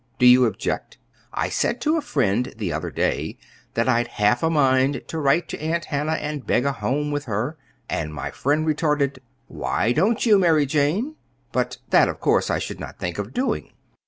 Do you object? I said to a friend the other day that I'd half a mind to write to Aunt Hannah and beg a home with her; and my friend retorted: 'Why don't you, Mary Jane?' But that, of course, I should not think of doing.